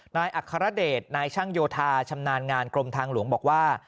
อัครเดชนายช่างโยธาชำนาญงานกรมทางหลวงบอกว่า